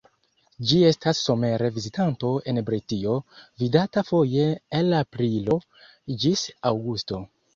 Ĝi estas somere vizitanto en Britio, vidata foje el aprilo ĝis aŭgusto.